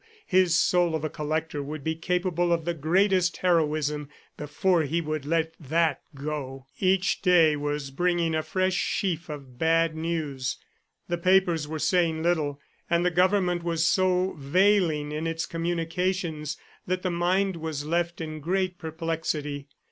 His soul of a collector would be capable of the greatest heroism before he would let that go. Each day was bringing a fresh sheaf of bad news. The papers were saying little, and the Government was so veiling its communications that the mind was left in great perplexity.